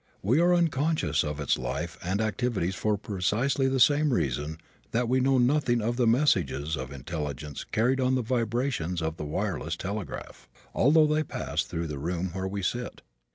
We are unconscious of its life and activities for precisely the same reason that we know nothing of the messages of intelligence carried on the vibrations of the wireless telegraph, although they pass through the room where we sit.